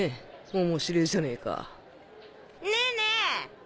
おもしれぇじゃねえかねぇねぇ。